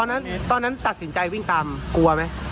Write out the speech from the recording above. พระบาท๓๐๐เมตรได้นะตอนนั้นตัดสินใจวิ่งตามกลัวไหม